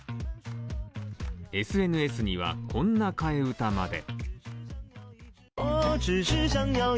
ＳＮＳには、こんな替え歌まで。